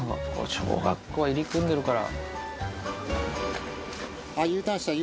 小学校は入り組んでるから。